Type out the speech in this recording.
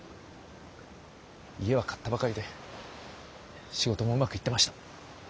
家は買ったばかりで仕事もうまくいってました。